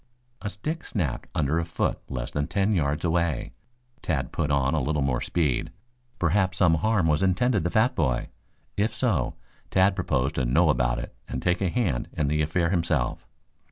A stick snapped under a foot less than ten yards away. Tad put on a little more speed. Perhaps some harm was intended the fat boy. If so, Tad proposed to know about it and take a hand in the affair himself.